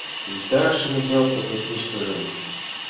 Вӱта шеҥгел пызлыгичкыжым